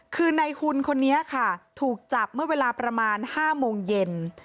คือในหุ่นคนนี้ค่ะถูกจับเมื่อเวลาประมาณ๕โมงเย็น